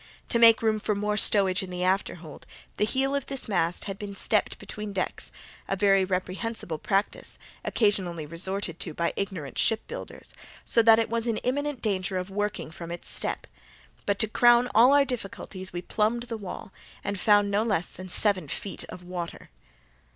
To make room for more stowage in the afterhold, the heel of this mast had been stepped between decks (a very reprehensible practice, occasionally resorted to by ignorant ship builders), so that it was in imminent danger of working from its step. But, to crown all our difficulties, we plummed the well, and found no less than seven feet of water.